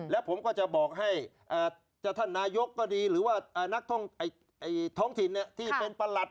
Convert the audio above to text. แล้วผมก็จะบอกให้ท่านนายกก็ดีหรือว่านักท่องท้องถิ่นที่เป็นประหลัด